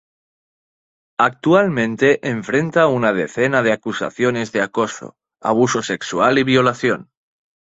Actualmente enfrenta una decena de acusaciones de acoso, abuso sexual y violación.